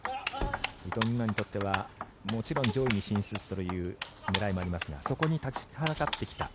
伊藤美誠にとってはもちろん上位に進出するという狙いもありますがそこに立ちはだかってきた。